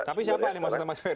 tapi siapa ini maksudnya mas ferr